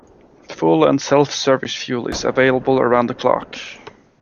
Full and self-service fuel is available around the clock.